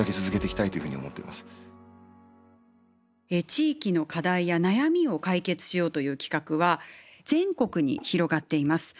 地域の課題や悩みを解決しようという企画は全国に広がっています。